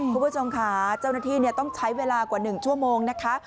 คุณผู้ชมค่ะเจ้าหน้าที่ต้องใช้เวลากว่า๑ชั่วโมงนะคะ